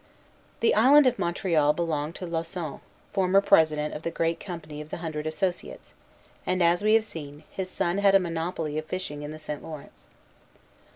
The island of Montreal belonged to Lauson, former president of the great company of the Hundred Associates; and, as we have seen, his son had a monopoly of fishing in the St. Lawrence.